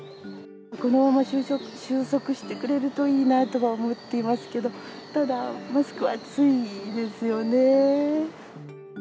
このまま収束してくれるといいなとは思ってますけど、ただ、マスクは暑いですよね。